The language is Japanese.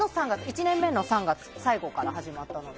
１年目の３月最後から始まったので。